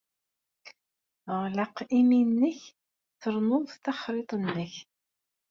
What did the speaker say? Ɣleq imi-nnek ternuḍ taxriḍt-nnek.